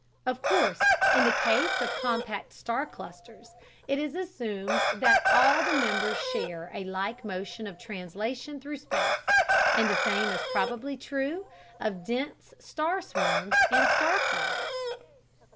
Of course, in the case of compact star clusters, it is assumed that all the members share a like motion of translation through space, and the same is probably true of dense star swarms and star clouds.